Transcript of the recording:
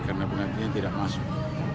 karena penaltinya tidak masuk